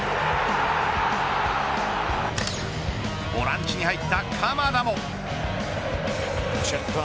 ボランチに入った鎌田も。